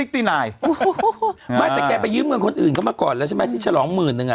แต่แกไปยืมเงินคนอื่นก็มาก่อนแล้วใช่ไหมที่ฉลองหมื่นนึง